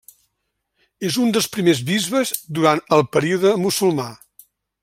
És un dels primers bisbes durant el període musulmà.